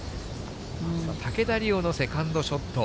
竹田麗央のセカンドショット。